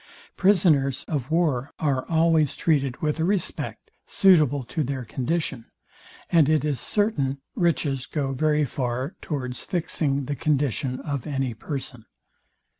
Prisoners of war are always treated with a respect suitable to their condition; and it is certain riches go very far towards fixing the condition of any person.